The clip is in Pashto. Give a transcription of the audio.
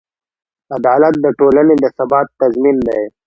عدالت د ټولنې د ثبات تضمین دی.